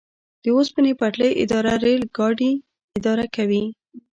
د اوسپنې پټلۍ اداره ریل ګاډي اداره کوي